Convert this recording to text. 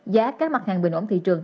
giá các mặt hàng bình ổn thị trường